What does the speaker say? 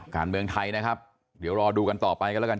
การเมืองไทยนะครับเดี๋ยวรอดูกันต่อไปกันแล้วกัน